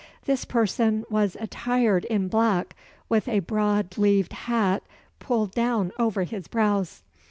This person was attired in black, with a broad leaved hat pulled down over his brows.